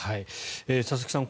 佐々木さん